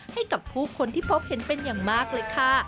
ให้กับผู้คนที่พบเห็นเป็นอย่างมากเลยค่ะ